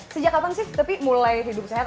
sejak kapan sih tapi mulai hidup sehat